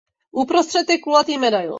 Uprostřed je kulatý medailon.